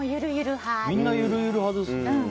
みんな、ゆるゆるですね。